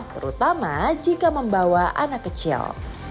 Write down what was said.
terutama jika membawa anak kecil